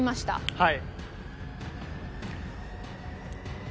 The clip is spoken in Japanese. はい。